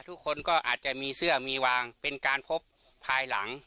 ทุกคนก็อาจจะมีเสื้อมีวางเป็นการพบภายหลัง